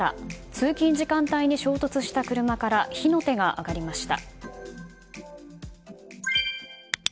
通勤時間帯に衝突した車から火の手が上がりました。